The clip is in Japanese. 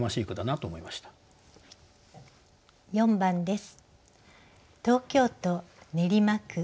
４番です。